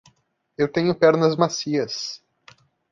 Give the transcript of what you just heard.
Eu tenho pernas macias.